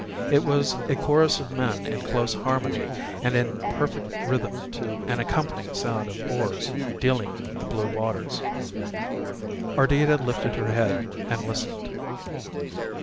It was a chorus of men in close harmony and in perfect rhythm to an accompanying sound of oars dealing the blue writers. Ardita lifted her head and listened.